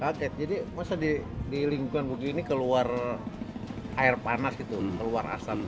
kaget jadi masa di lingkungan begini keluar air panas gitu keluar asap